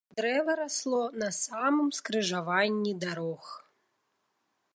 Дрэва расло на самым скрыжаванні дарог.